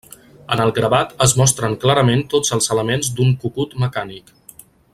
En el gravat es mostren clarament tots els elements d'un cucut mecànic.